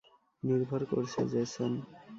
নির্ভর করছে, জেসন।